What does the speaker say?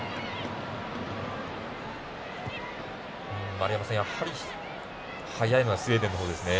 丸山さん、やはり速いのはスウェーデンのほうですね。